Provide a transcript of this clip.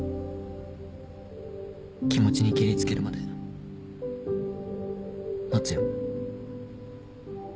気持ちにけりつけるまで待つよ。